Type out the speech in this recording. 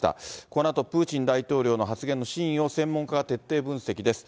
このあとプーチン大統領の発言の真意を専門家が徹底分析です。